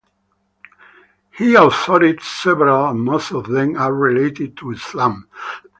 He authored several and most of them are related to Islam.